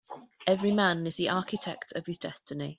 Every man is the architect of his destiny.